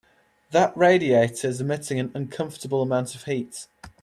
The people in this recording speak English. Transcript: That radiator is emitting an uncomfortable amount of heat.